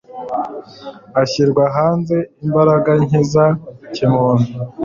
ashyirwa aharenze imbaraga nke za kimuntu.